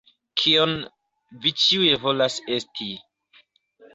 Kion... vi ĉiuj volas esti.